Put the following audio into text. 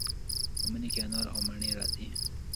په مني کې انار او مڼې راځي.